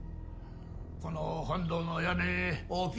この本堂の屋根大きいでしょう。